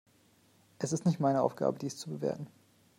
Es ist nicht meine Aufgabe, dies zu bewerten.